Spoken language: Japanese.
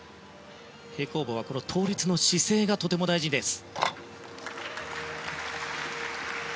平行棒は倒立の姿勢がとても大事です。